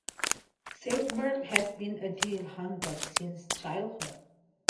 Seubert has been a deer hunter since childhood.